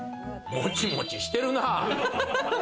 もちもちしてるな！